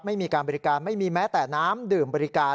ไม่มีการบริการไม่มีแม้แต่น้ำดื่มบริการ